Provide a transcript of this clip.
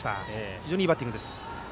非常にいいバッティングです。